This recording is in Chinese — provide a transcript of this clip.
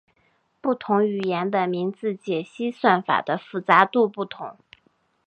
不同语言的名字解析算法的复杂度不同。